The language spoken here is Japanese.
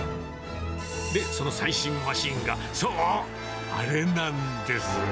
で、その最新マシンが、そう、あれなんです。